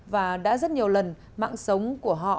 và đã rất nhiều lần mạng sống của họ